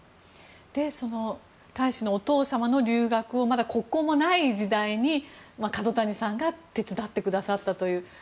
その大使のお父様の留学をまだ国交もない時代に角谷さんが手伝ってくださったという。